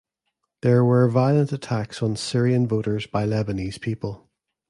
There were violent attacks on Syrian voters by Lebanese people.